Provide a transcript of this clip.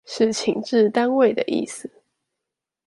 是情治單位的意思